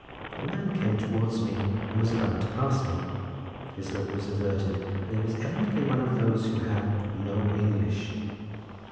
A man came towards me and was about to pass me—his look was averted, and he was evidently one of those who have "no English."